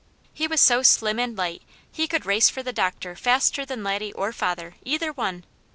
He was so slim and light he could race for the doctor faster than Laddie or father, either one.